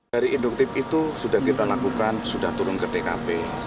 dari induktif itu sudah kita lakukan sudah turun ke tkp